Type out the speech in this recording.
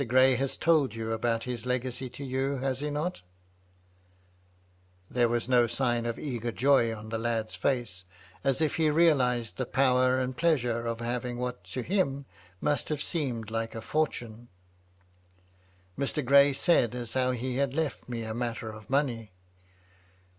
Gray has told you about his legacy to you, has he not ?" There was no sign of eager joy on jbhe lad's face, as if he realised the power and pleasure of having what to him must have seemed like a fortune. " Mr. Gray said as how he had left me a matter of money."